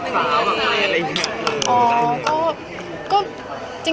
อะไรอย่างนี้